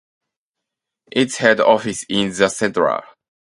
Its head office is in Central.